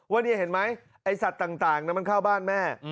ว่านี่เห็นไหมไอ้สัตว์ต่างมันเข้าบ้านแม่